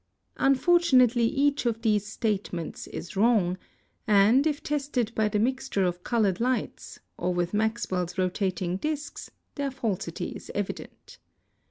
Unfortunately, each of these statements is wrong, and, if tested by the mixture of colored lights or with Maxwell's rotating discs, their falsity is evident.